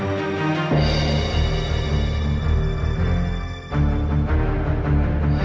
masa ini aku mau ke rumah